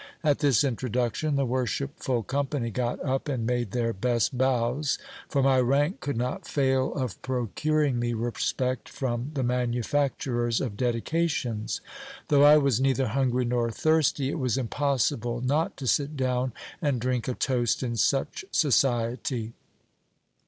At this introduction, the worshipful company got up and made their best bows ; for my rank could not fail of procuring me respect from the manufacturers of dedications. Though I was neither hungry nor thirsty, it was impossible not to sit down and drink a toast in such society.